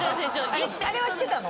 あれは知ってたの？